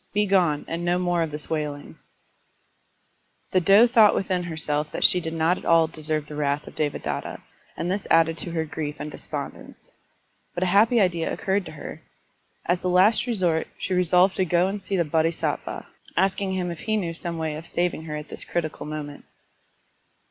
Be gone, and no more of this wailing." Digitized by Google 184 SERMONS OP A BUDDHIST ABBOT The doe thought within herself that she did not at all deserve the wrath of Devadatta, and this added to her grief and despondence. But a happy idea occurred to her. As the last resort she resolved to go and see the Bodhisattva, asking him if he knew some way of saving her at this critical moment.